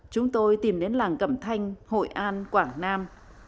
chúng tôi tìm đến làng cẩm thanh hội an quảng nam